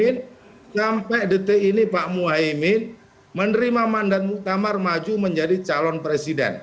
sampai detik ini pak muhaimin menerima mandat muktamar maju menjadi calon presiden